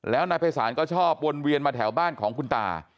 แล้วนายภัยศาลก็ชอบวนเวียนมาแถวบ้านของคุณตา